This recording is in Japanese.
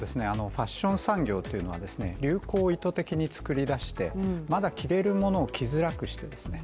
ファッション産業というのはですね、流行を意図的に作り出して、まだ着れるものを着づらくしてですね